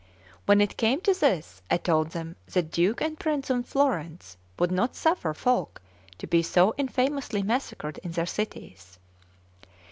When it came to this, I told them that Duke and Prince of Florence would not suffer folk to be so infamously massacred in their cities.